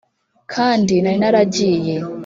kandi nari naragiye